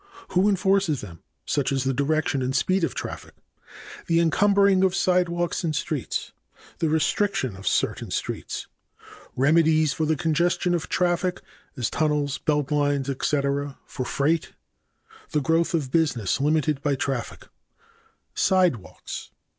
b. Who enforces them, such as the direction and speed of traffic? c. The encumbering of sidewalks and streets. d. The restriction of certain streets. e. Remedies for the congestion of traffic, as tunnels, belt lines, etc., for freight. f. The growth of business limited by traffic. 4. Sidewalks.